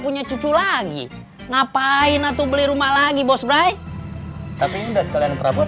punya cucu lagi ngapain atau beli rumah lagi bos brai tapi udah sekalian terbuat